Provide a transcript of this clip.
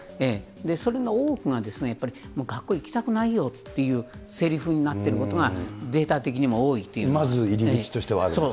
それの多くがやっぱり、学校に行きたくないよっていうせりふになってることが、データ的まず入り口としてはあるんでそう。